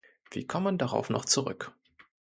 Wir kommen darauf noch zurück.